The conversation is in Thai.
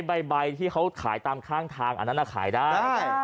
ใบที่เขาขายตามข้างทางอันนั้นขายได้